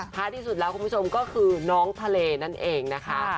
ที่สุดแล้วคุณผู้ชมก็คือน้องทะเลนั่นเองนะคะ